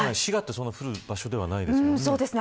そんなに降る場所ではないですよね。